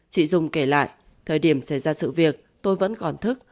chị dung kể lại thời điểm xảy ra sự việc tôi vẫn còn thức